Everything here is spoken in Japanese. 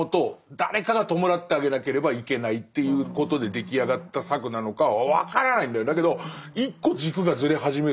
誰かが弔ってあげなければいけないということで出来上がった策なのかは分からないんだよ。